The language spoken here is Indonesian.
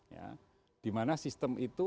ya dimana sistem itu